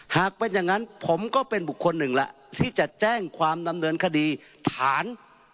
หากเป็นอย่างนั้นผมก็เป็นบุคคลหนึ่งละที่จะแจ้งความดำเนินคดีฐาน